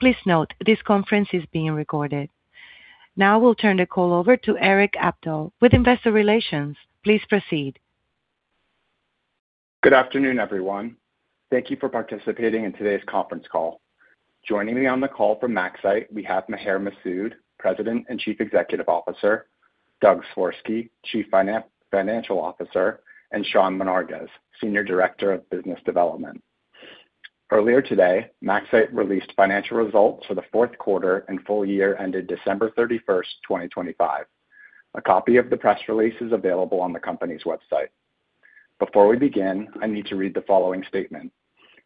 Please note, this conference is being recorded. Now we'll turn the call over to Erik Abdo with Investor Relations. Please proceed. Good afternoon, everyone. Thank you for participating in today's conference call. Joining me on the call from MaxCyte, we have Maher Masoud, President and Chief Executive Officer, Douglas Swirsky, Chief Financial Officer, and Sean Menarguez, Senior Director of Business Development. Earlier today, MaxCyte released financial results for the fourth quarter and full year ended December 31, 2025. A copy of the press release is available on the company's website. Before we begin, I need to read the following statement.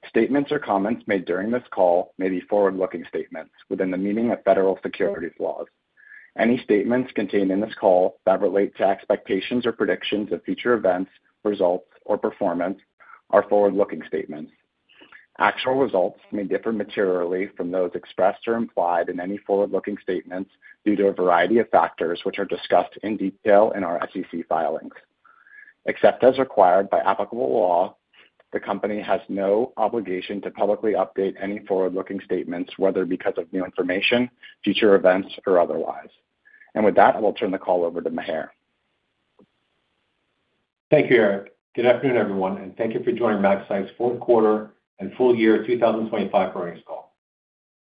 Statements or comments made during this call may be forward-looking statements within the meaning of federal securities laws. Any statements contained in this call that relate to expectations or predictions of future events, results, or performance are forward-looking statements. Actual results may differ materially from those expressed or implied in any forward-looking statements due to a variety of factors, which are discussed in detail in our SEC filings. Except as required by applicable law, the company has no obligation to publicly update any forward-looking statements, whether because of new information, future events, or otherwise. With that, I will turn the call over to Maher. Thank you, Erik. Good afternoon, everyone, and thank you for joining MaxCyte's Fourth Quarter and Full Year 2025 Earnings Call.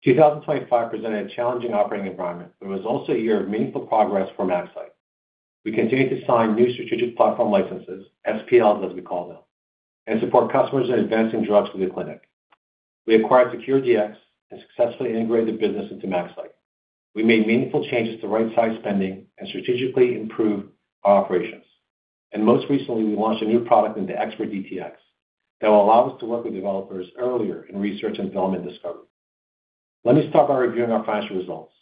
2025 presented a challenging operating environment, but it was also a year of meaningful progress for MaxCyte. We continued to sign new strategic platform licenses, SPLs, as we call them, and support customers in advancing drugs through the clinic. We acquired SeQure Dx and successfully integrated the business into MaxCyte. We made meaningful changes to right-size spending and strategically improve our operations. Most recently, we launched a new product into ExPERT DTx that will allow us to work with developers earlier in research and development discovery. Let me start by reviewing our financial results.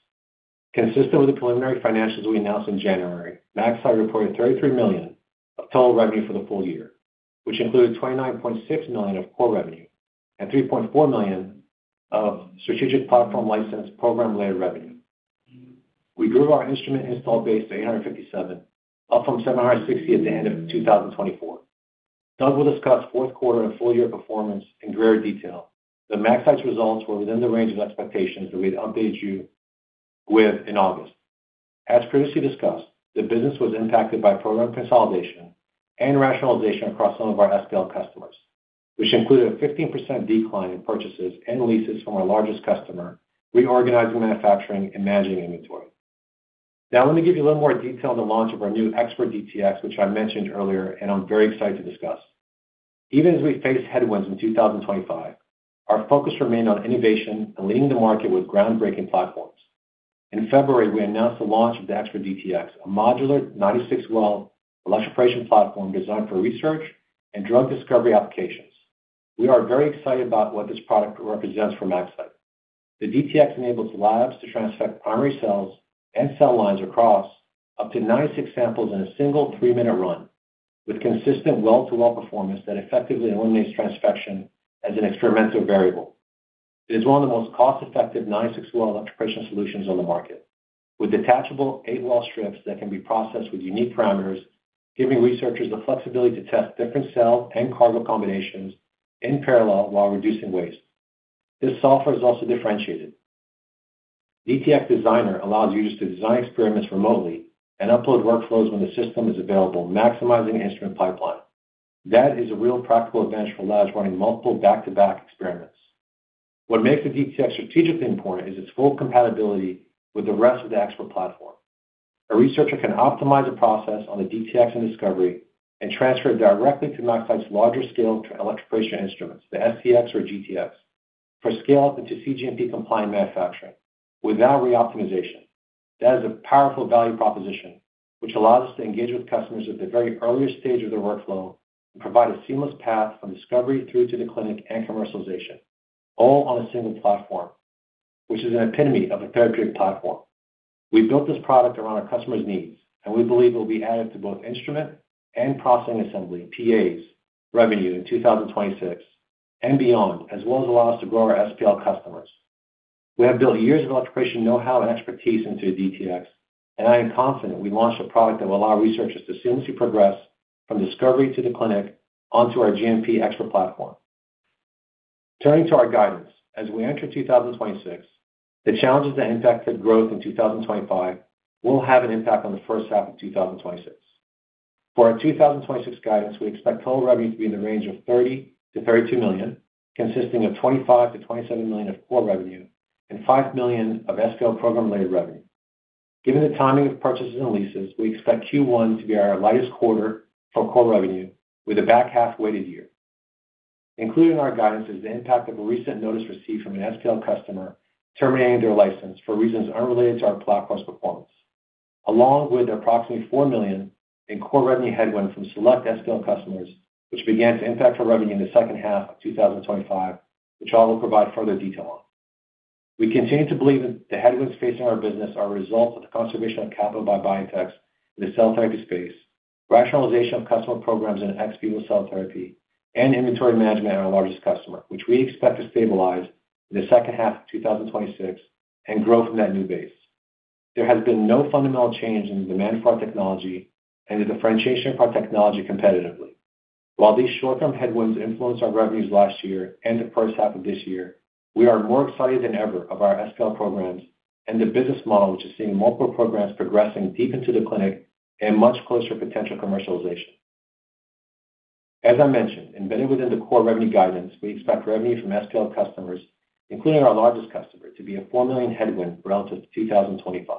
Consistent with the preliminary financials we announced in January, MaxCyte reported $33 million of total revenue for the full year, which included $29.6 million of core revenue and $3.4 million of strategic platform license program-related revenue. We grew our instrument install base to 857, up from 760 at the end of 2024. Doug will discuss fourth quarter and full year performance in greater detail, but MaxCyte's results were within the range of expectations that we had updated you with in August. As previously discussed, the business was impacted by program consolidation and rationalization across some of our SPL customers, which included a 15% decline in purchases and leases from our largest customer, reorganizing manufacturing and managing inventory. Now, let me give you a little more detail on the launch of our new ExPERT DTx, which I mentioned earlier, and I'm very excited to discuss. Even as we faced headwinds in 2025, our focus remained on innovation and leading the market with groundbreaking platforms. In February, we announced the launch of the ExPERT DTx, a modular 96-well electroporation platform designed for research and drug discovery applications. We are very excited about what this product represents for MaxCyte. The DTx enables labs to transfect primary cells and cell lines across up to 96 samples in a single 3-minute run with consistent well-to-well performance that effectively eliminates transfection as an experimental variable. It is one of the most cost-effective 96-well electroporation solutions on the market with detachable 8-well strips that can be processed with unique parameters, giving researchers the flexibility to test different cell and cargo combinations in parallel while reducing waste. This software is also differentiated. DTx Designer allows users to design experiments remotely and upload workflows when the system is available, maximizing instrument pipeline. That is a real practical advantage for labs running multiple back-to-back experiments. What makes the DTx strategically important is its full compatibility with the rest of the ExPERT platform. A researcher can optimize a process on the DTx in discovery and transfer it directly to MaxCyte's larger-scale to electroporation instruments, the FCX or GTx, for scale-up into cGMP-compliant manufacturing without re-optimization. That is a powerful value proposition, which allows us to engage with customers at the very earliest stage of their workflow and provide a seamless path from discovery through to the clinic and commercialization, all on a single platform, which is an epitome of a therapeutic platform. We built this product around our customers' needs, and we believe it will be added to both instrument and processing assembly, PAs, revenue in 2026 and beyond, as well as allow us to grow our SPL customers. We have built years of electroporation know-how and expertise into the DTx, and I am confident we launched a product that will allow researchers to seamlessly progress from discovery to the clinic onto our GMP ExPERT platform. Turning to our guidance. As we enter 2026, the challenges that impacted growth in 2025 will have an impact on the first half of 2026. For our 2026 guidance, we expect total revenue to be in the range of $30 million-$32 million, consisting of $25 million-$27 million of core revenue and $5 million of SPL program-related revenue. Given the timing of purchases and leases, we expect Q1 to be our lightest quarter for core revenue with a back-half-weighted year. Including our guidance is the impact of a recent notice received from an SPL customer terminating their license for reasons unrelated to our platform's performance, along with approximately $4 million in core revenue headwind from select SPL customers, which began to impact our revenue in the second half of 2025, which I will provide further detail on. We continue to believe that the headwinds facing our business are a result of the conservation of capital by biotechs in the cell therapy space, rationalization of customer programs in ex-vivo cell therapy, and inventory management at our largest customer, which we expect to stabilize in the second half of 2026 and grow from that new base. There has been no fundamental change in the demand for our technology and the differentiation of our technology competitively. While these short-term headwinds influenced our revenues last year and the first half of this year, we are more excited than ever of our SPL programs and the business model, which is seeing multiple programs progressing deep into the clinic and much closer potential commercialization. As I mentioned, embedded within the core revenue guidance, we expect revenue from SPL customers, including our largest customer, to be a $4 million headwind relative to 2025.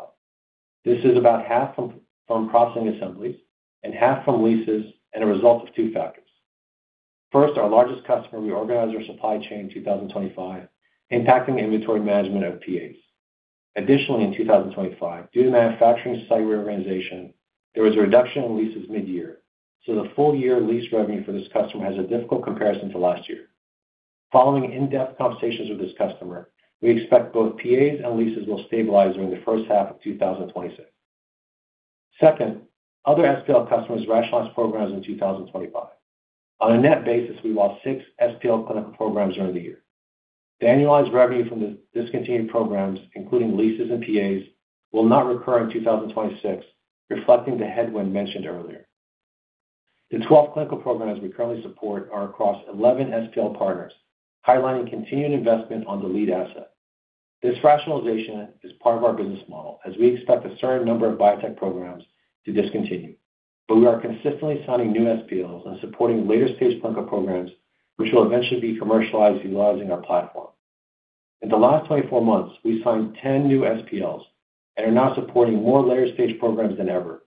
This is about half from processing assemblies and half from leases and a result of two factors. First, our largest customer reorganized their supply chain in 2025, impacting inventory management of PAs. Additionally, in 2025, due to manufacturing site reorganization, there was a reduction in leases mid-year. The full-year lease revenue for this customer has a difficult comparison to last year. Following in-depth conversations with this customer, we expect both PAs and leases will stabilize during the first half of 2026. Second, other SPL customers rationalized programs in 2025. On a net basis, we lost six SPL clinical programs during the year. The annualized revenue from the discontinued programs, including leases and PAs, will not recur in 2026, reflecting the headwind mentioned earlier. The 12 clinical programs we currently support are across 11 SPL partners, highlighting continued investment on the lead asset. This rationalization is part of our business model, as we expect a certain number of biotech programs to discontinue. We are consistently signing new SPLs and supporting later-stage clinical programs, which will eventually be commercialized utilizing our platform. In the last 24 months, we signed 10 new SPLs and are now supporting more later-stage programs than ever.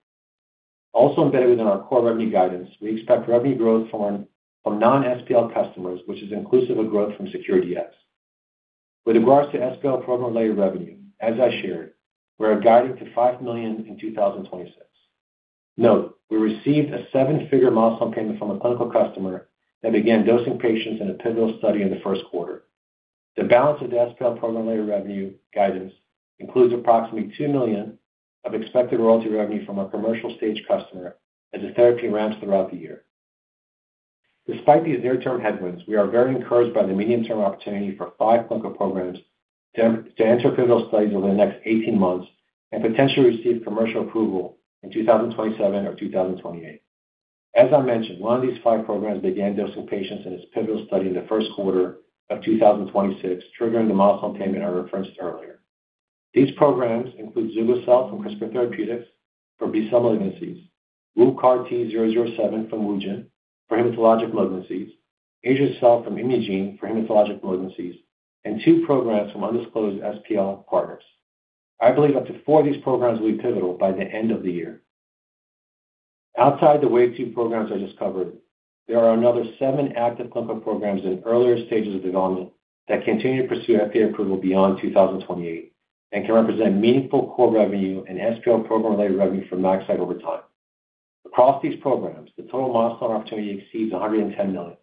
Also embedded within our core revenue guidance, we expect revenue growth from non-SPL customers, which is inclusive of growth from SeQure Dx. With regards to SPL program-related revenue, as I shared, we are guided to $5 million in 2026. Note, we received a seven-figure milestone payment from a clinical customer that began dosing patients in a pivotal study in the first quarter. The balance of the SPL program-related revenue guidance includes approximately $2 million of expected royalty revenue from our commercial stage customer as the therapy ramps throughout the year. Despite these near-term headwinds, we are very encouraged by the medium-term opportunity for 5 clinical programs to enter pivotal studies over the next 18 months and potentially receive commercial approval in 2027 or 2028. As I mentioned, one of these 5 programs began dosing patients in its pivotal study in the first quarter of 2026, triggering the milestone payment I referenced earlier. These programs include CTX112 from CRISPR Therapeutics for B-cell malignancies, WU-CART-007 from Wugen for hematologic malignancies, azer-cel from Imugene for hematologic malignancies, and two programs from undisclosed SPL partners. I believe up to four of these programs will be pivotal by the end of the year. Outside the wave two programs I just covered, there are another seven active clinical programs in earlier stages of development that continue to pursue FDA approval beyond 2028 and can represent meaningful core revenue and SPL program-related revenue for MaxCyte over time. Across these programs, the total milestone opportunity exceeds $110 million.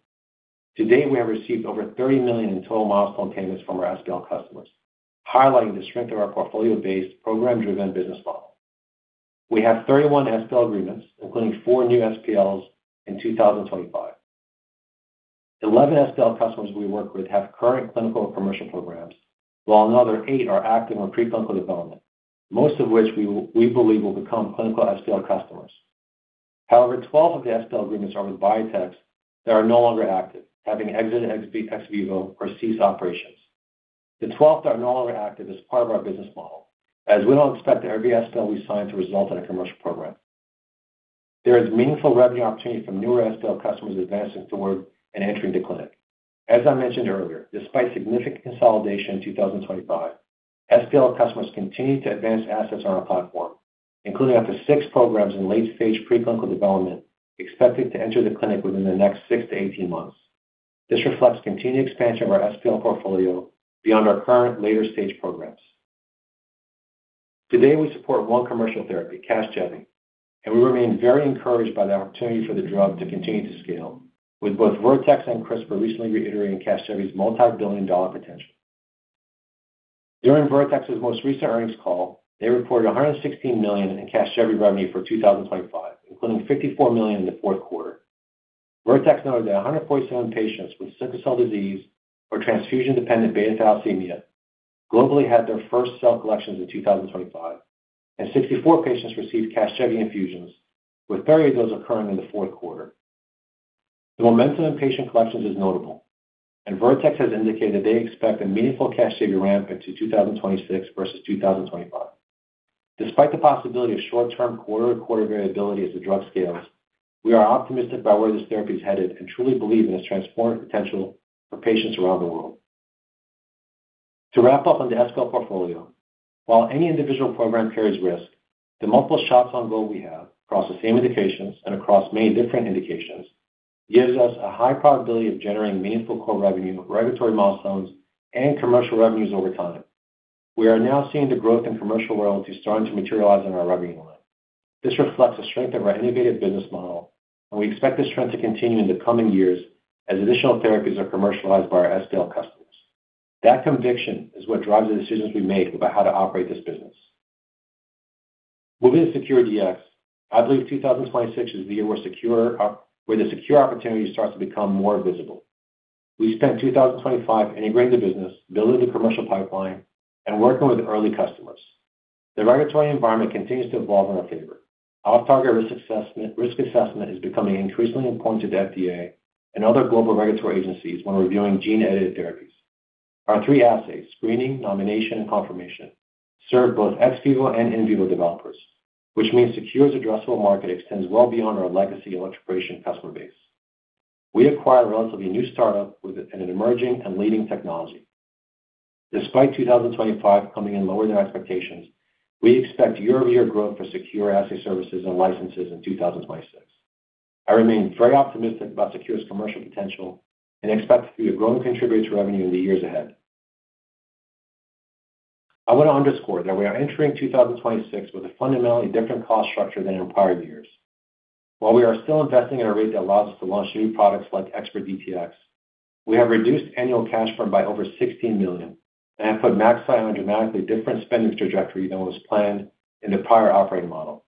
To date, we have received over $30 million in total milestone payments from our SPL customers, highlighting the strength of our portfolio-based, program-driven business model. We have 31 SPL agreements, including four new SPLs in 2025. 11 SPL customers we work with have current clinical or commercial programs, while another eight are active in preclinical development, most of which we believe will become clinical SPL customers. However, 12 of the SPL agreements are with biotechs that are no longer active, having exited ex-vivo or ceased operations. The 12 that are no longer active is part of our business model, as we don't expect every SPL we sign to result in a commercial program. There is meaningful revenue opportunity from newer SPL customers advancing forward and entering the clinic. As I mentioned earlier, despite significant consolidation in 2025, SPL customers continued to advance assets on our platform, including up to six programs in late-stage preclinical development expected to enter the clinic within the next 6 to 18 months. This reflects continued expansion of our SPL portfolio beyond our current later-stage programs. Today, we support one commercial therapy, Casgevy, and we remain very encouraged by the opportunity for the drug to continue to scale, with both Vertex and CRISPR recently reiterating Casgevy's multi-billion-dollar potential. During Vertex's most recent earnings call, they reported $116 million in Casgevy revenue for 2025, including $54 million in the fourth quarter. Vertex noted that 147 patients with sickle cell disease or transfusion-dependent beta thalassemia globally had their first cell collections in 2025, and 64 patients received Casgevy infusions, with 30 of those occurring in the fourth quarter. The momentum in patient collections is notable, and Vertex has indicated they expect a meaningful Casgevy ramp into 2026 versus 2025. Despite the possibility of short-term quarter-to-quarter variability as the drug scales, we are optimistic about where this therapy is headed and truly believe in its transformative potential for patients around the world. To wrap up on the SPL portfolio, while any individual program carries risk, the multiple shots on goal we have across the same indications and across many different indications gives us a high probability of generating meaningful core revenue, regulatory milestones, and commercial revenues over time. We are now seeing the growth in commercial royalties starting to materialize in our revenue line. This reflects the strength of our innovative business model, and we expect this trend to continue in the coming years as additional therapies are commercialized by our SPL customers. That conviction is what drives the decisions we make about how to operate this business. Moving to SeQure Dx, I believe 2026 is the year where SeQure opportunity starts to become more visible. We spent 2025 integrating the business, building the commercial pipeline, and working with early customers. The regulatory environment continues to evolve in our favor. Off-target risk assessment is becoming increasingly important to the FDA and other global regulatory agencies when reviewing gene-edited therapies. Our three assays, screening, nomination, and confirmation, serve both ex-vivo and in vivo developers, which means SeQure's addressable market extends well beyond our legacy electroporation customer base. We acquired a relatively new startup with an emerging and leading technology. Despite 2025 coming in lower than expectations, we expect year-over-year growth for SeQure assay services and licenses in 2026. I remain very optimistic about SeQure's commercial potential and expect it to be a growing contributor to revenue in the years ahead. I want to underscore that we are entering 2026 with a fundamentally different cost structure than in prior years. While we are still investing at a rate that allows us to launch new products like ExPERT DTx, we have reduced annual cash burn by over $16 million and have put MaxCyte on a dramatically different spending trajectory than was planned in the prior operating model.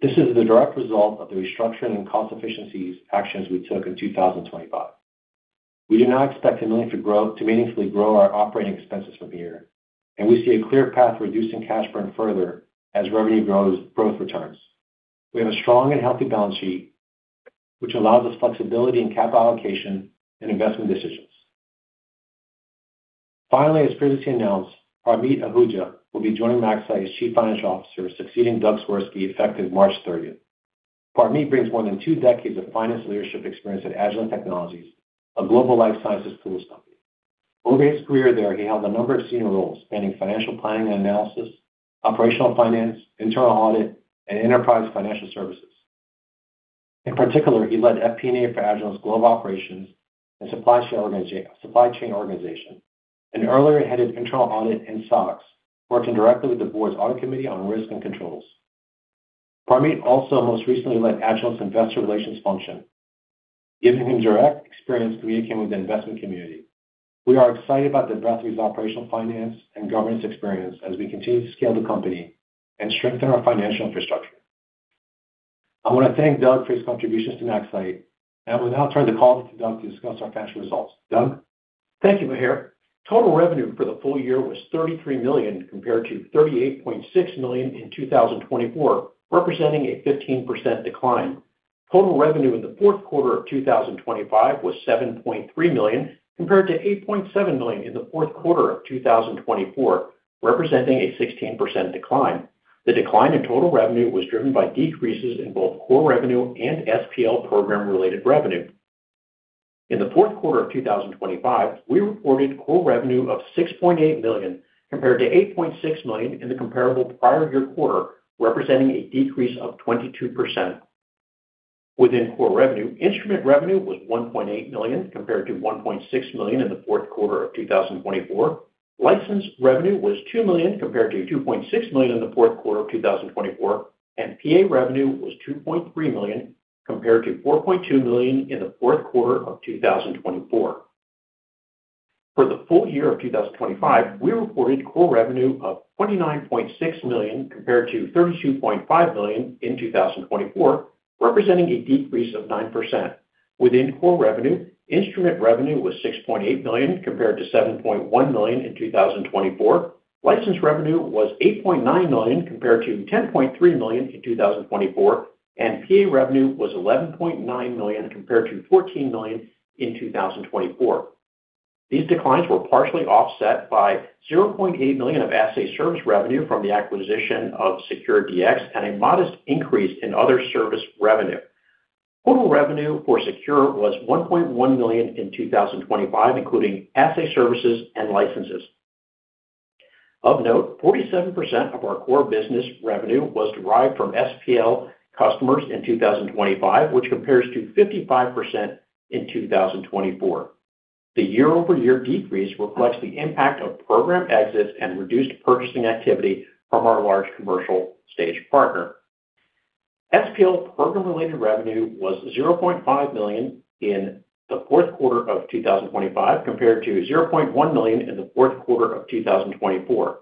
This is the direct result of the restructuring and cost efficiencies actions we took in 2025. We do not expect to meaningfully grow our operating expenses from here, and we see a clear path to reducing cash burn further as revenue grows, growth returns. We have a strong and healthy balance sheet, which allows us flexibility in capital allocation and investment decisions. Finally, as Priti announced, Parmeet Ahuja will be joining MaxCyte as Chief Financial Officer, succeeding Doug Swirsky, effective March 30. Parmeet brings more than two decades of finance leadership experience at Agilent Technologies, a global Life-Sciences tools company. Over his career there, he held a number of senior roles, spanning financial planning and analysis, operational finance, internal audit, and enterprise financial services. In particular, he led FP&A for Agilent's global operations and supply chain organization, and earlier, headed internal audit and SOX, working directly with the board's audit committee on risk and controls. Parmeet also most recently led Agilent's investor relations function, giving him direct experience communicating with the investment community. We are excited about the breadth of his operational finance and governance experience as we continue to scale the company and strengthen our financial infrastructure. I want to thank Doug for his contributions to MaxCyte, and will now turn the call over to Doug to discuss our financial results. Doug? Thank you, Maher. Total revenue for the full year was $33 million compared to $38.6 million in 2024, representing a 15% decline. Total revenue in the fourth quarter of 2025 was $7.3 million compared to $8.7 million in the fourth quarter of 2024, representing a 16% decline. The decline in total revenue was driven by decreases in both core revenue and SPL program-related revenue. In the fourth quarter of 2025, we reported core revenue of $6.8 million compared to $8.6 million in the comparable prior year quarter, representing a decrease of 22%. Within core revenue, instrument revenue was $1.8 million compared to $1.6 million in the fourth quarter of 2024. License revenue was $2 million compared to $2.6 million in the fourth quarter of 2024, and PA revenue was $2.3 million compared to $4.2 million in the fourth quarter of 2024. For the full year of 2025, we reported core revenue of $29.6 million compared to $32.5 million in 2024, representing a decrease of 9%. Within core revenue, instrument revenue was $6.8 million compared to $7.1 million in 2024. License revenue was $8.9 million compared to $10.3 million in 2024, and PA revenue was $11.9 million compared to $14 million in 2024. These declines were partially offset by $0.8 million of assay service revenue from the acquisition of SeQure Dx and a modest increase in other service revenue. Total revenue for SeQure Dx was $1.1 million in 2025, including assay services and licenses. Of note, 47% of our core business revenue was derived from SPL customers in 2025, which compares to 55% in 2024. The year-over-year decrease reflects the impact of program exits and reduced purchasing activity from our large commercial stage partner. SPL program-related revenue was $0.5 million in the fourth quarter of 2025 compared to $0.1 million in the fourth quarter of 2024.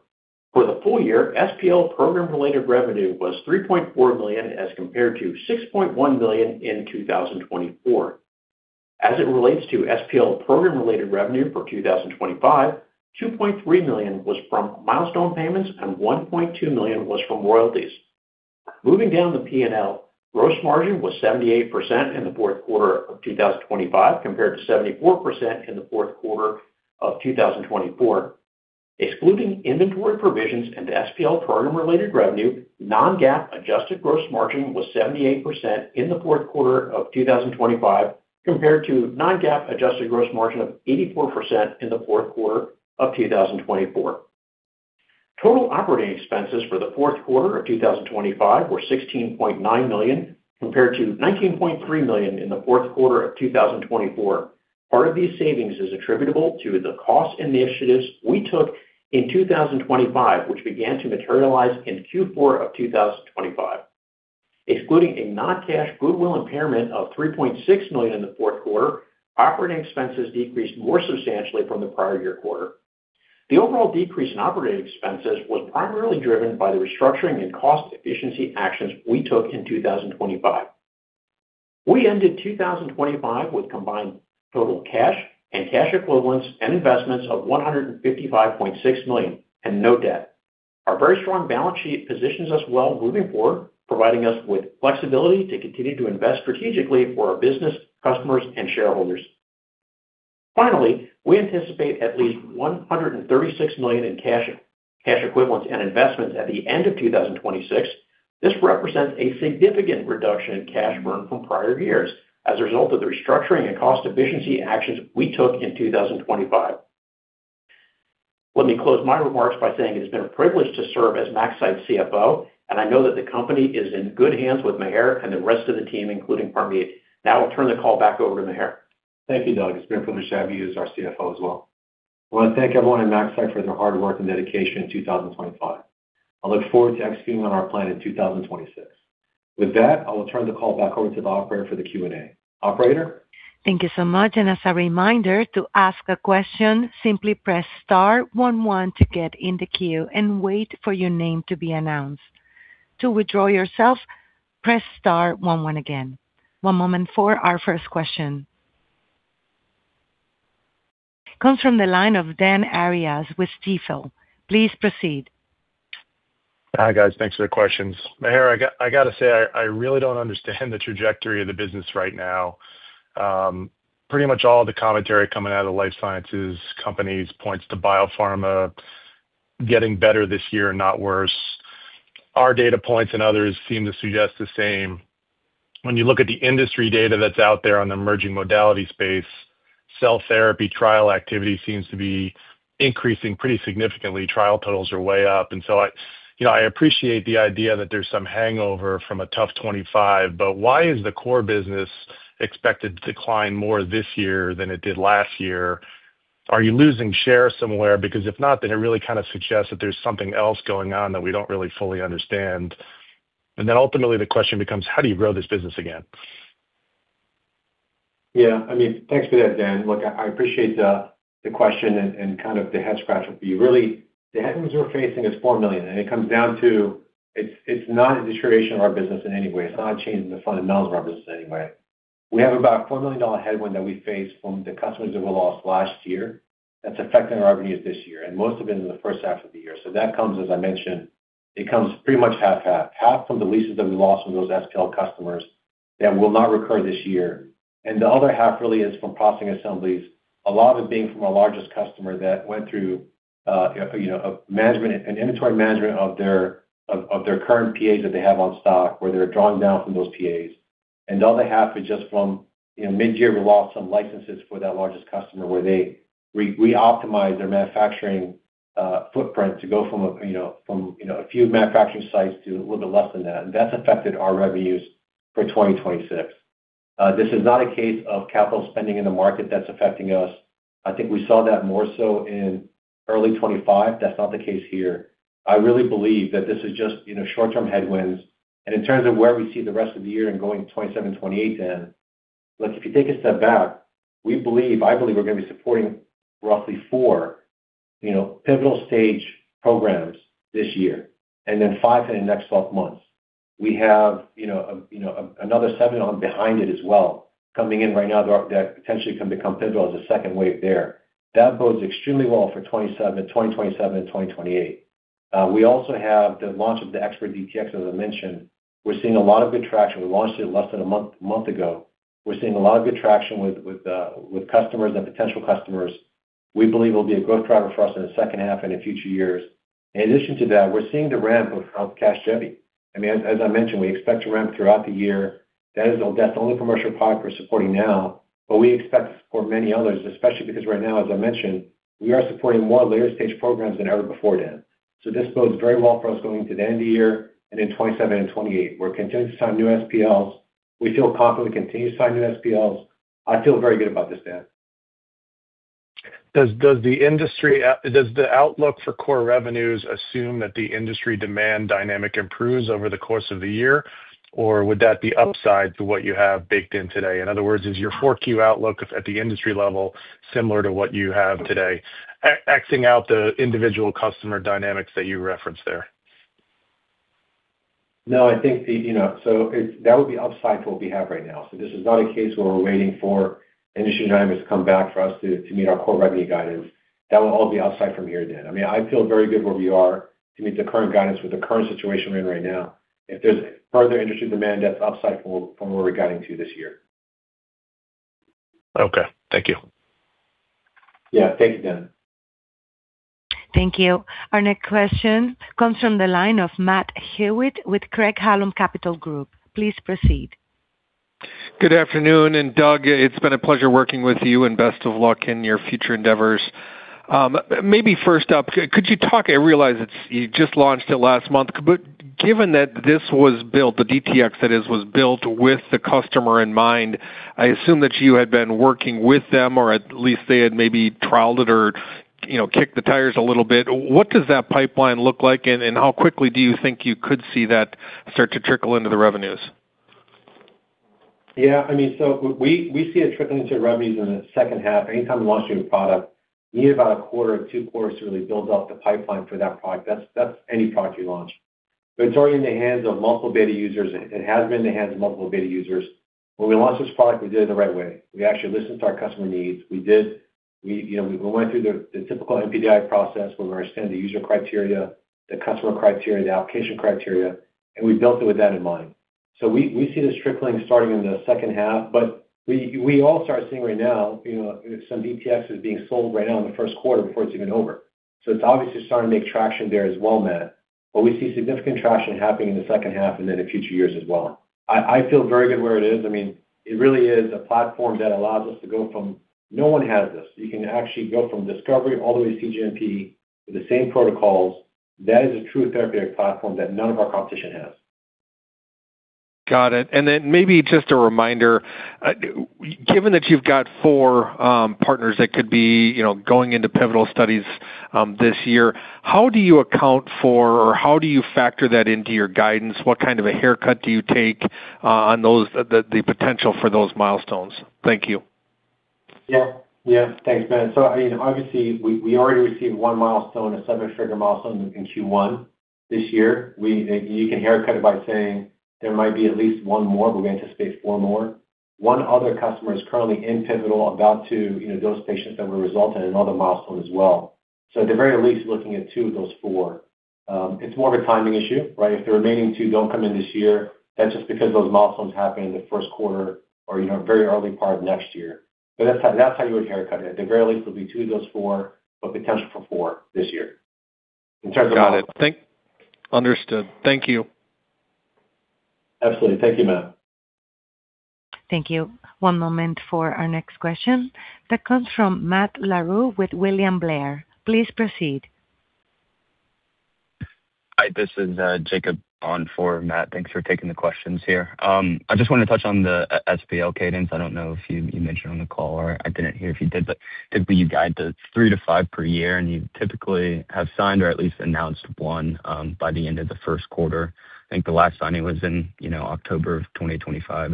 For the full year, SPL program-related revenue was $3.4 million as compared to $6.1 million in 2024. As it relates to SPL program-related revenue for 2025, $2.3 million was from milestone payments and $1.2 million was from royalties. Moving down the P&L, gross margin was 78% in the fourth quarter of 2025 compared to 74% in the fourth quarter of 2024. Excluding inventory provisions and SPL program-related revenue, non-GAAP adjusted gross margin was 78% in the fourth quarter of 2025 compared to non-GAAP adjusted gross margin of 84% in the fourth quarter of 2024. Total operating expenses for the fourth quarter of 2025 were $16.9 million compared to $19.3 million in the fourth quarter of 2024. Part of these savings is attributable to the cost initiatives we took in 2025, which began to materialize in Q4 of 2025. Excluding a non-cash goodwill impairment of $3.6 million in the fourth quarter, operating expenses decreased more substantially from the prior year quarter. The overall decrease in operating expenses was primarily driven by the restructuring and cost efficiency actions we took in 2025. We ended 2025 with combined total cash and cash equivalents and investments of $155.6 million and no debt. Our very strong balance sheet positions us well moving forward, providing us with flexibility to continue to invest strategically for our business, customers and shareholders. Finally, we anticipate at least $136 million in cash equivalents and investments at the end of 2026. This represents a significant reduction in cash burn from prior years as a result of the restructuring and cost efficiency actions we took in 2025. Let me close my remarks by saying it has been a privilege to serve as MaxCyte CFO, and I know that the company is in good hands with Maher and the rest of the team, including Parmeet. Now I'll turn the call back over to Maher. Thank you, Doug. It's been a privilege to have you as our CFO as well. I want to thank everyone in MaxCyte for their hard work and dedication in 2025. I look forward to executing on our plan in 2026. With that, I will turn the call back over to the operator for the Q&A. Operator? Thank you so much. As a reminder to ask a question, simply press star one one to get in the queue and wait for your name to be announced. To withdraw yourself, press star one one again. One moment for our first question. Comes from the line of Dan Arias with Stifel. Please proceed. Hi, guys. Thanks for the questions. Maher, I got to say, I really don't understand the trajectory of the business right now. Pretty much all the commentary coming out of the Life-Sciences companies points to biopharma getting better this year, not worse. Our data points and others seem to suggest the same. When you look at the industry data that's out there on the emerging modality space, cell therapy trial activity seems to be increasing pretty significantly. Trial totals are way up. You know, I appreciate the idea that there's some hangover from a tough 2025, but why is the core business expected to decline more this year than it did last year? Are you losing share somewhere? Because if not, then it really kind of suggests that there's something else going on that we don't really fully understand. Ultimately the question becomes: How do you grow this business again? Yeah, I mean, thanks for that, Dan. Look, I appreciate the question and kind of the head scratcher. Really the headwinds we're facing is $4 million, and it comes down to it's not a deterioration of our business in any way. It's not a change in the fundamentals of our business in any way. We have about $4 million headwind that we face from the customers that we lost last year that's affecting our revenues this year and most of it in the first half of the year. That comes, as I mentioned, it comes pretty much half-half, half from the leases that we lost from those SPL customers that will not recur this year. The other half really is from processing assemblies, a lot of it being from our largest customer that went through, you know, an inventory management of their current PAs that they have on stock, where they're drawing down from those PAs. The other half is just from, you know, midyear, we lost some licenses for that largest customer where they re-optimized their manufacturing footprint to go from a few manufacturing sites to a little bit less than that. That's affected our revenues for 2026. This is not a case of capital spending in the market that's affecting us. I think we saw that more so in early 2025. That's not the case here. I really believe that this is just, you know, short-term headwinds. In terms of where we see the rest of the year and going to 2027 and 2028 then, look, if you take a step back, I believe we're gonna be supporting roughly four, you know, pivotal stage programs this year and then five in the next 12 months. We have, you know, another another behind it as well coming in right now that potentially can become pivotal as a second wave there. That bodes extremely well for 2027 and 2028. We also have the launch of the ExPERT DTx, as I mentioned. We're seeing a lot of good traction. We launched it less than a month ago. We're seeing a lot of good traction with customers and potential customers. We believe it'll be a growth driver for us in the second half and in future years. In addition to that, we're seeing the ramp of Casgevy. I mean, as I mentioned, we expect to ramp throughout the year. That's the only commercial product we're supporting now, but we expect to support many others, especially because right now, as I mentioned, we are supporting more later stage programs than ever before then. This bodes very well for us going to the end of the year and in 2027 and 2028. We're continuing to sign new SPLs. We feel confident to continue to sign new SPLs. I feel very good about this, Dan. Does the outlook for core revenues assume that the industry demand dynamic improves over the course of the year? Or would that be upside to what you have baked in today? In other words, is your 4Q outlook at the industry level similar to what you have today, excluding the individual customer dynamics that you referenced there? No, I think that would be upside to what we have right now. This is not a case where we're waiting for industry dynamics to come back for us to meet our core revenue guidance. That will all be upside from here then. I mean, I feel very good where we are to meet the current guidance with the current situation we're in right now. If there's further industry demand, that's upside from what we're guiding to this year. Okay, thank you. Yeah. Thank you, Dan. Thank you. Our next question comes from the line of Matt Hewitt with Craig-Hallum Capital Group. Please proceed. Good afternoon, and Doug, it's been a pleasure working with you and best of luck in your future endeavors. Maybe first up, I realize that you just launched it last month, but given that this was built, the DTx that is, was built with the customer in mind, I assume that you had been working with them or at least they had maybe trialed it or, you know, kicked the tires a little bit. What does that pipeline look like, and how quickly do you think you could see that start to trickle into the revenues? Yeah, I mean, we see a trickling to revenues in the second half. Anytime we launch a new product, we need about a quarter or two quarters to really build up the pipeline for that product. That's any product you launch. But it's already in the hands of multiple beta users. It has been in the hands of multiple beta users. When we launched this product, we did it the right way. We actually listened to our customer needs. We, you know, we went through the typical NPD process where we understand the user criteria, the customer criteria, the allocation criteria, and we built it with that in mind. We see this trickling starting in the second half, but we all start seeing right now, you know, some DTx is being sold right now in the first quarter before it's even over. It's obviously starting to make traction there as well, Matt, but we see significant traction happening in the second half and then in future years as well. I feel very good where it is. I mean, it really is a platform. No one has this. You can actually go from discovery all the way to cGMP with the same protocols. That is a true therapeutic platform that none of our competition has. Got it. Maybe just a reminder, given that you've got four partners that could be, you know, going into pivotal studies this year, how do you account for or how do you factor that into your guidance? What kind of a haircut do you take on those, the potential for those milestones? Thank you. Thanks, Matt. I mean, obviously we already received one milestone, a seven-figure milestone in Q1 this year. You can haircut it by saying there might be at least one more. We anticipate four more. One other customer is currently in pivotal about to, you know, dose patients that will result in another milestone as well. At the very least, looking at two of those four, it's more of a timing issue, right? If the remaining two don't come in this year, that's just because those milestones happen in the first quarter or, you know, very early part of next year. That's how you would haircut it. At the very least, it'll be two of those four, but potential for four this year in terms of- Got it. Understood. Thank you. Absolutely. Thank you, Matt. Thank you. One moment for our next question. That comes from Matt Larew with William Blair. Please proceed. Hi, this is Jacob on for Matt. Thanks for taking the questions here. I just wanted to touch on the SPL cadence. I don't know if you mentioned on the call or I didn't hear if you did, but typically you guide the 3-5 per year, and you typically have signed or at least announced one by the end of the first quarter. I think the last signing was in, you know, October of 2025.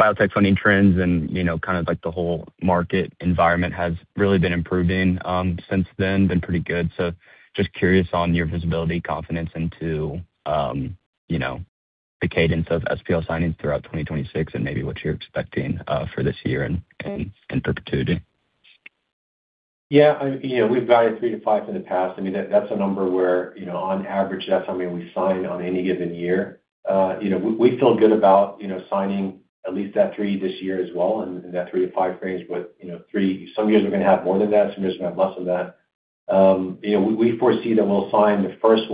Biotech funding trends and, you know, kind of like the whole market environment has really been improving since then. Been pretty good. Just curious on your visibility, confidence into, you know, the cadence of SPL signings throughout 2026 and maybe what you're expecting for this year and perpetuity. Yeah. We've guided 3-5 in the past. I mean, that's a number where, on average, that's how many we sign on any given year. We feel good about signing at least that three this year as well, in that three to five range. Three, some years we're gonna have more than that, some years we have less than that. We foresee that we'll sign the first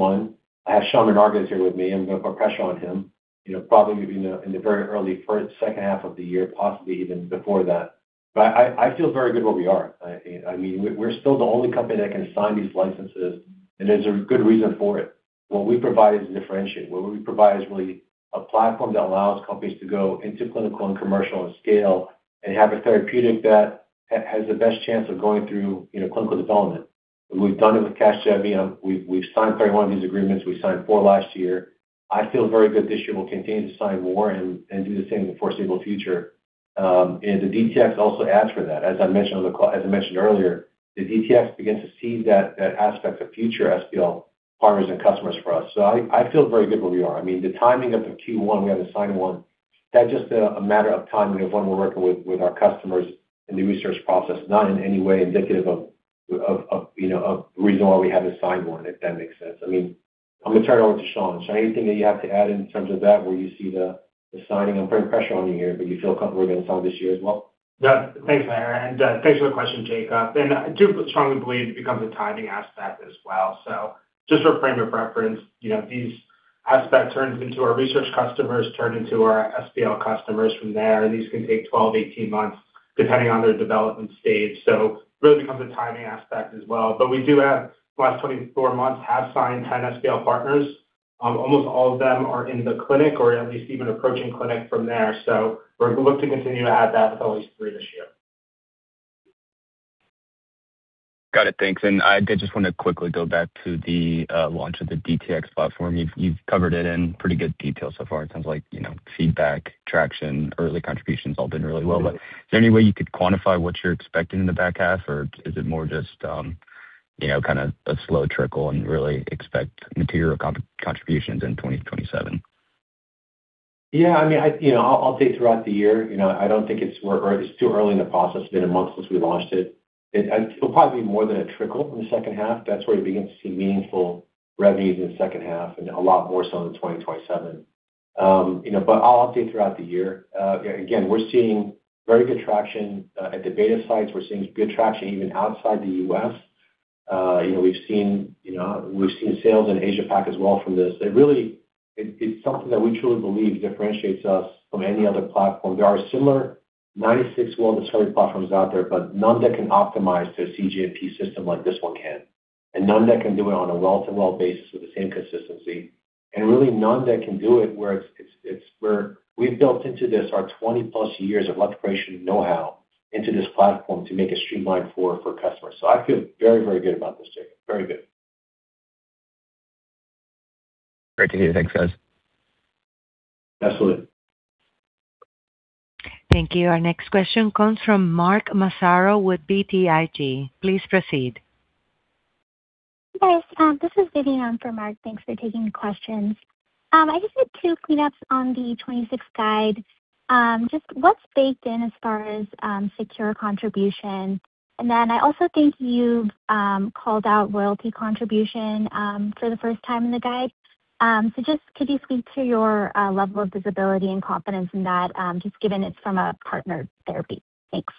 one. I have Sean Menarguez here with me. I'm gonna put pressure on him, probably maybe in the very early second half of the year, possibly even before that. I feel very good where we are. I mean, we're still the only company that can sign these licenses, and there's a good reason for it. What we provide is a differentiator. What we provide is really a platform that allows companies to go into clinical and commercial and scale and have a therapeutic that has the best chance of going through, you know, clinical development. We've done it with Casgevy. We've signed 31 of these agreements. We signed four last year. I feel very good this year we'll continue to sign more and do the same in the foreseeable future. The DTx also adds to that. As I mentioned earlier, the DTx begins to see that aspect of future SPL partners and customers for us. So I feel very good where we are. I mean, the timing of the Q1, we haven't signed one. That's just a matter of timing of when we're working with our customers in the research process, not in any way indicative of, you know, of the reason why we haven't signed one, if that makes sense. I mean, I'm gonna turn it over to Sean. Sean, anything that you have to add in terms of that, where you see the signing? I'm putting pressure on you here, but you feel comfortable getting signed this year as well? Thanks, Maher, and thanks for the question, Jacob. I do strongly believe it becomes a timing aspect as well. Just for frame of reference, you know, our research customers turn into our SPL customers from there. These can take 12-18 months depending on their development stage. It really becomes a timing aspect as well. In the last 24 months we have signed 10 SPL partners. Almost all of them are in the clinic or at least even approaching clinic from there. We look to continue to add that with at least 3 this year. Got it. Thanks. I did just wanna quickly go back to the launch of the DTX platform. You've covered it in pretty good detail so far. It sounds like, you know, feedback, traction, early contributions, all been really well. But is there any way you could quantify what you're expecting in the back half or is it more just, you know, kinda a slow trickle and really expect material contributions in 2027? Yeah, I mean, you know, I'll update throughout the year. You know, I don't think it's too early in the process. It's been a month since we launched it. It'll probably be more than a trickle in the second half. That's where you begin to see meaningful revenues in the second half and a lot more so in 2027. You know, but I'll update throughout the year. Again, we're seeing very good traction at the beta sites. We're seeing good traction even outside the U.S. You know, we've seen sales in Asia Pac as well from this. It really is something that we truly believe differentiates us from any other platform. There are similar 96-well discovery platforms out there, but none that can optimize their cGMP system like this one can. None that can do it on a well-to-well basis with the same consistency. Really none that can do it where it's where we've built into this our 20+ years of electroporation know-how into this platform to make it streamlined for customers. I feel very, very good about this, Jacob. Very good. Great to hear. Thanks, guys. Absolutely. Thank you. Our next question comes from Mark Massaro with BTIG. Please proceed. Yes. This is Vidyun for Mark. Thanks for taking the questions. I just had two cleanups on the 2026 guide. Just what's baked in as far as SeQure contribution? And then I also think you called out royalty contribution for the first time in the guide. Just could you speak to your level of visibility and confidence in that, just given it's from a partnered therapy? Thanks.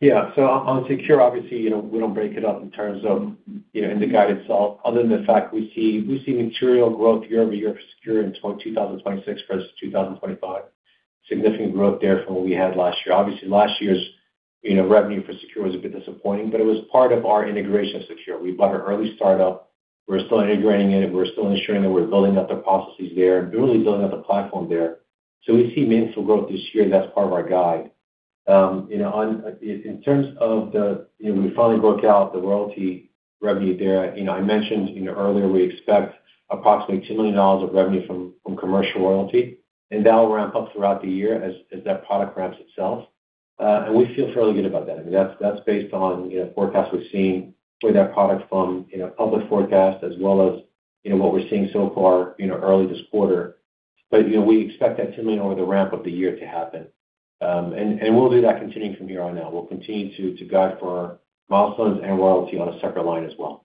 Yeah. On SeQure Dx, obviously, you know, we don't break it up in terms of, you know, in the guide itself, other than the fact we see material growth year-over-year for SeQure Dx in 2026 versus 2025. Significant growth there from what we had last year. Obviously, last year's, you know, revenue for SeQure Dx was a bit disappointing, but it was part of our integration of SeQure Dx. We bought an early startup. We're still integrating it. We're still ensuring that we're building out the processes there and really building out the platform there. We see meaningful growth this year, and that's part of our guide. You know, in terms of the, you know, we finally broke out the royalty revenue there. You know, I mentioned, you know, earlier we expect approximately $2 million of revenue from commercial royalty, and that will ramp up throughout the year as that product ramps itself. We feel fairly good about that. I mean, that's based on, you know, forecasts we've seen for that product from, you know, public forecasts as well as, you know, what we're seeing so far, you know, early this quarter. We expect that $2 million over the ramp of the year to happen. We'll do that continuing from here on out. We'll continue to guide for milestones and royalty on a separate line as well.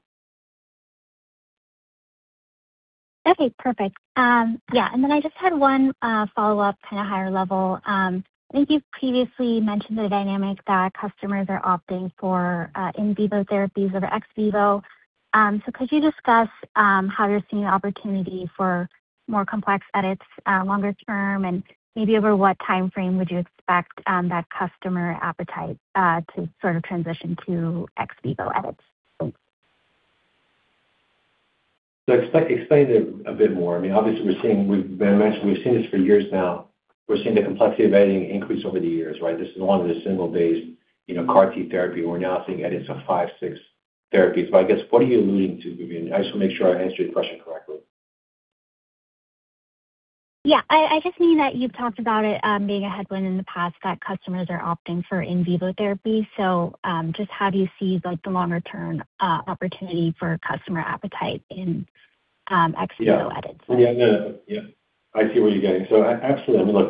Okay, perfect. Yeah. I just had one follow-up kind of higher level. I think you've previously mentioned the dynamic that customers are opting for in vivo therapies over ex-vivo. Could you discuss how you're seeing the opportunity for more complex edits longer term? Maybe over what timeframe would you expect that customer appetite to sort of transition to ex-vivo edits? Thanks. Explain it a bit more. I mean, obviously we've been mentioning, we've seen this for years now. We're seeing the complexity of editing increase over the years, right? This is along the single base, you know, CAR T therapy. We're now seeing edits on 5, 6 therapies. But I guess, what are you alluding to? I just want to make sure I answer your question correctly. Yeah. I just mean that you've talked about it being a headwind in the past that customers are opting for in vivo therapy. Just how do you see, like, the longer-term opportunity for customer appetite in ex-vivo edits? Yeah. No, yeah, I see what you're getting. Absolutely. I mean, look,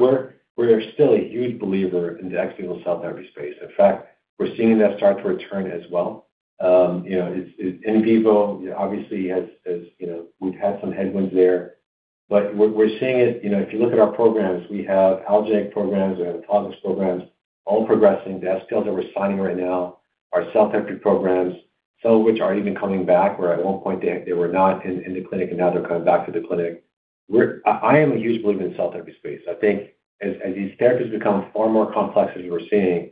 we're still a huge believer in the ex-vivo cell therapy space. In fact, we're seeing that start to return as well. You know, it's in vivo obviously has you know, we've had some headwinds there, but we're seeing it. You know, if you look at our programs, we have allogeneic programs and autologous programs all progressing. The SPLs that we're signing right now are cell therapy programs, some of which aren't even coming back, where at one point they were not in the clinic and now they're coming back to the clinic. I am a huge believer in cell therapy space. I think as these therapies become far more complex as we're seeing,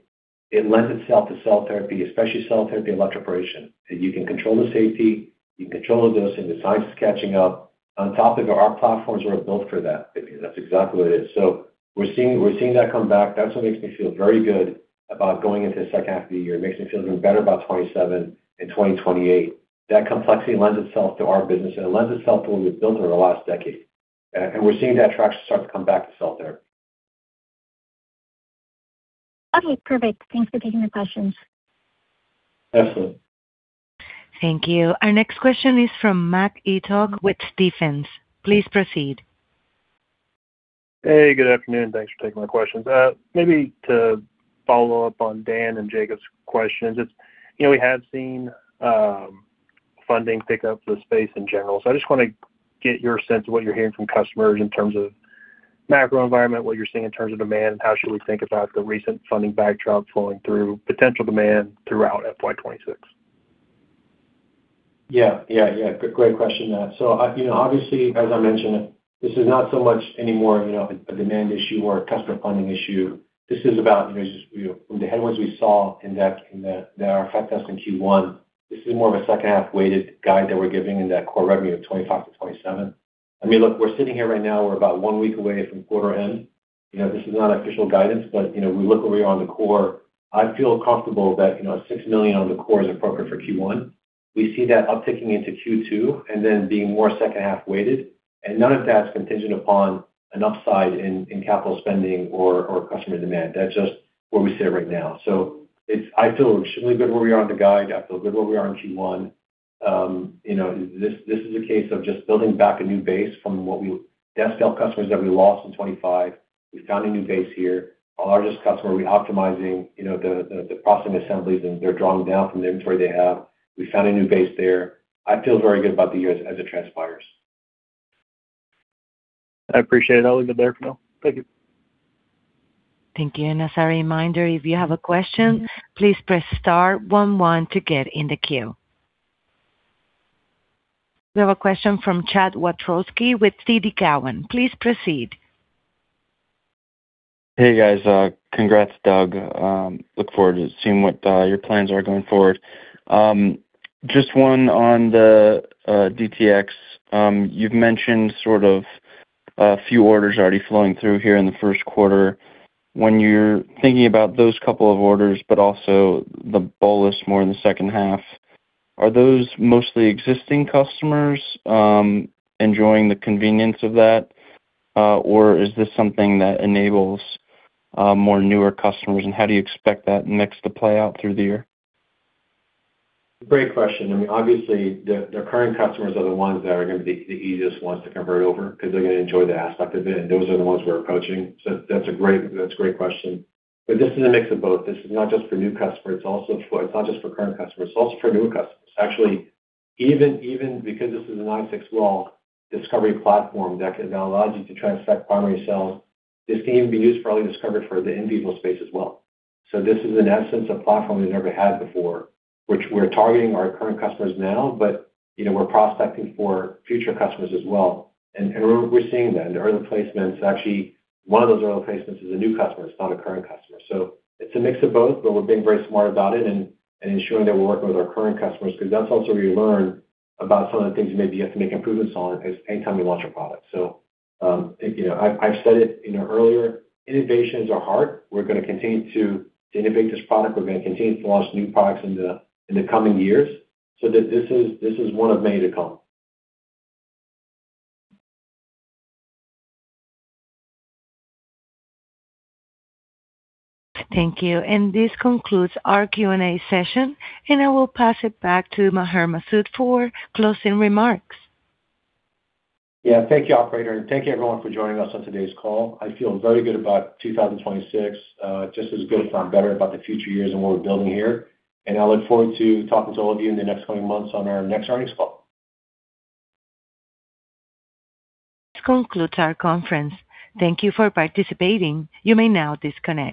it lends itself to cell therapy, especially cell therapy electroporation. You can control the safety, you can control the dosing, the science is catching up. On top of it, our platforms were built for that. I mean, that's exactly what it is. We're seeing that come back. That's what makes me feel very good about going into the second half of the year. It makes me feel even better about 2027 and 2028. That complexity lends itself to our business and it lends itself to what we've built over the last decade. And we're seeing that traction start to come back to cell therapy. Okay, perfect. Thanks for taking the questions. Excellent. Thank you. Our next question is from Matt Etoch with Stephens. Please proceed. Hey, good afternoon. Thanks for taking my questions. Maybe to follow up on Dan and Jacob's questions. You know, we have seen funding pick up for the space in general. I just want to get your sense of what you're hearing from customers in terms of macro environment, what you're seeing in terms of demand, how should we think about the recent funding backdrop flowing through potential demand throughout FY 2026? Yeah. Great question, Matt. You know, obviously, as I mentioned, this is not so much anymore, you know, a demand issue or a customer funding issue. This is about, you know, just from the headwinds we saw in that that affect us in Q1. This is more of a second half weighted guide that we're giving in that core revenue of $25 million-$27 million. I mean, look, we're sitting here right now, we're about one week away from quarter end. You know, this is not official guidance, but, you know, we look where we are on the core. I feel comfortable that, you know, $6 million on the core is appropriate for Q1. We see that upticking into Q2 and then being more second half weighted, and none of that's contingent upon an upside in capital spending or customer demand. That's just where we sit right now. I feel extremely good where we are on the guide. I feel good where we are in Q1. You know, this is a case of just building back a new base from SPL customers that we lost in 2025. We found a new base here. Our largest customer, we're optimizing, you know, the processing assemblies, and they're drawing down from the inventory they have. We found a new base there. I feel very good about the year as it transpires. I appreciate it. I'll leave it there for now. Thank you. Thank you. As a reminder, if you have a question, please press star one one to get in the queue. We have a question from Chad Wiatrowski with TD Cowen. Please proceed. Hey, guys. Congrats, Doug. I look forward to seeing what your plans are going forward. Just one on the DTx. You've mentioned sort of A few orders already flowing through here in the first quarter. When you're thinking about those couple of orders, but also the bolus more in the second half, are those mostly existing customers, enjoying the convenience of that? Or is this something that enables, more newer customers? How do you expect that mix to play out through the year? Great question. I mean, obviously, the current customers are the ones that are gonna be the easiest ones to convert over because they're gonna enjoy the aspect of it, and those are the ones we're approaching. That's a great question. This is a mix of both. This is not just for new customers, it's also for current customers. It's not just for current customers, it's also for new customers. Actually, even because this is a non-viral discovery platform that now allows you to transfect primary cells, this can even be used for early discovery for the in vivo space as well. This is in essence a platform we never had before, which we're targeting our current customers now, but you know, we're prospecting for future customers as well. We're seeing that in the early placements. Actually, one of those early placements is a new customer, it's not a current customer. It's a mix of both, but we're being very smart about it and ensuring that we're working with our current customers because that's also where you learn about some of the things you maybe have to make improvements on as anytime we launch a product. I've said it earlier, innovations are hard. We're gonna continue to innovate this product. We're gonna continue to launch new products in the coming years. This is one of many to come. Thank you. This concludes our Q&A session, and I will pass it back to Maher Masoud for closing remarks. Yeah. Thank you, operator, and thank you everyone for joining us on today's call. I feel very good about 2026, just as good if not better about the future years and what we're building here. I look forward to talking to all of you in the next coming months on our next earnings call. This concludes our conference. Thank you for participating. You may now disconnect.